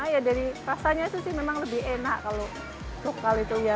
ya dari rasanya sih memang lebih enak kalau frukal itu ya